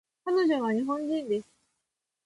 彼女は日本人です